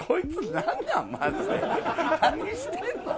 何してんの？